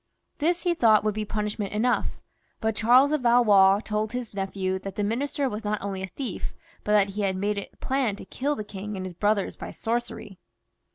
This he thought would be punishment enough ; but Charles of Valois told his nephew that the Minister was not only a thief, but that he had made a plan to kill the king and his brothers by sorcery.